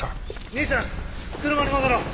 兄さん車に戻ろう。